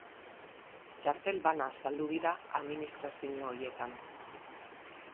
Txartel bana saldu dira administrazio horietan.